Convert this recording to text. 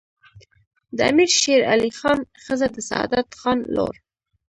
د امیر شیرعلي خان ښځه د سعادت خان لور